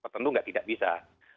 tentu tidak bisa